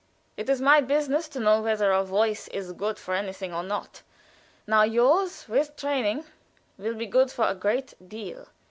"It is my business to know whether a voice is good for anything or not. Now yours, with training, will be good for a great deal.